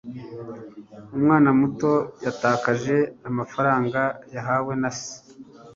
umwana muto yatakaje amafaranga yahawe na se